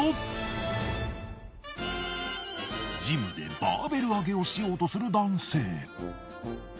ジムでバーベル上げをしようとする男性。